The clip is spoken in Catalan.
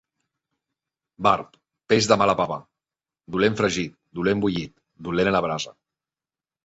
Barb, peix de mala bava: dolent fregit, dolent bullit, dolent a la brasa.